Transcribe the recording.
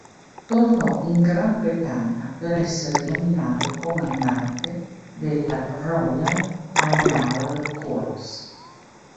Tornò in Gran Bretagna per essere nominato comandante della Royal Armoured Corps.